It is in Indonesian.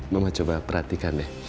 mama coba perhatikan